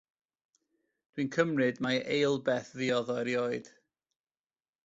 Dwi'n cymryd mai eilbeth fuodd o erioed.